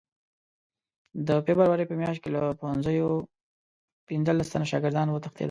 د فبروري په میاشت کې له پوهنځیو پنځلس تنه شاګردان وتښتېدل.